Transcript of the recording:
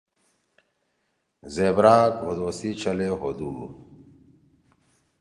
زیبرا گھودو سی چھلے ہودُو آں ایِسی بدن زید کیِ